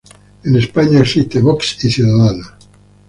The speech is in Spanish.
En España existe Vox y Ciudadanos.